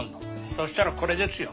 そしたらこれですよ。